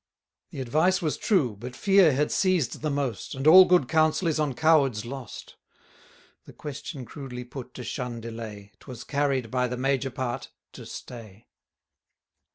The advice was true; but fear had seized the most, And all good counsel is on cowards lost. The question crudely put to shun delay, 'Twas carried by the major part to stay.